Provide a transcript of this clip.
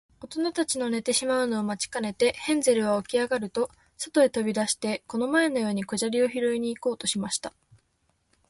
おとなたちの寝てしまうのを待ちかねて、ヘンゼルはおきあがると、そとへとび出して、この前のように小砂利をひろいに行こうとしました。